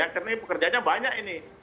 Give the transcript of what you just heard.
karena pekerjaannya banyak ini